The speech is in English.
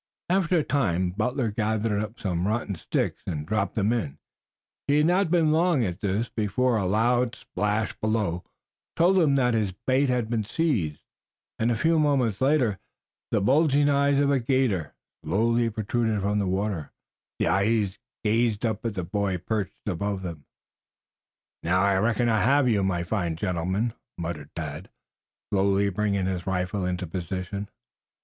After a time Butler gathered up some rotten sticks and dropped them in. He had not been at this long before a loud splash below told him that his bait had been seized, and a moment later the bulging eyes of a 'gator slowly protruded from the water, the eyes gazing up at the boy perched above them. "Now I reckon I have you, my fine gentleman," muttered Tad, slowly bringing his rifle into position.